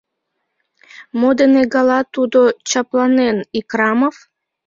Мо дене гала тудо чапланен, Икрамов?